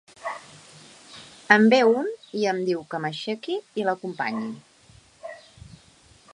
En ve un i em diu que m’aixequi i l’acompanyi.